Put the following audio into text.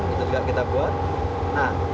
itu juga kita buat nah